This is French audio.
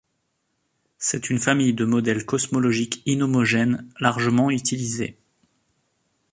C'est une famille de modèles cosmologiques inhomogènes largement utilisée.